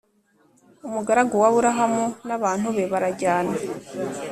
umugaragu wa Aburahamu n abantu be barajyana